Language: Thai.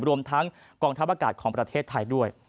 รวมทั้งกองทัพอากาศของประเทศไทยด้วย